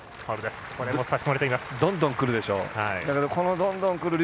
どんどんくるでしょ。